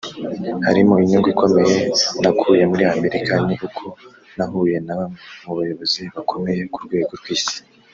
harimo Inyungu ikomeye nakuye muri Amerika ni uko nahuye na bamwe mu bayobozi bakomeye ku rwego rw’Isi